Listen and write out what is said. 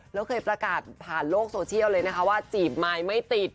แล้วเคยประกาศผ่านโลกโซเชียลเลยนะคะว่าจีบไมค์ไม่ติด